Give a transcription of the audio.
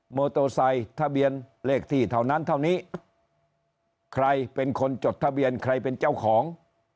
โตไซค์ทะเบียนเลขที่เท่านั้นเท่านี้ใครเป็นคนจดทะเบียนใครเป็นเจ้าของ